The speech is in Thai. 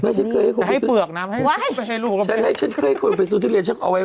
ไม่ฉันพยายามให้เคย